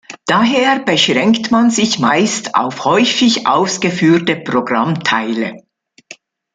Daher beschränkt man sich meist auf häufig ausgeführte Programmteile.